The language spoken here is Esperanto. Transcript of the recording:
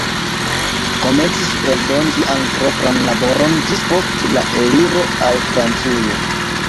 Komencis eldoni sian propran laboron ĝis post la eliro al Francujo.